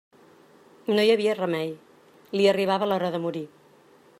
No hi havia remei: li arribava l'hora de morir.